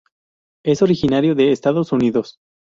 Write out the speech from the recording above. Es originario de Estados Unidos.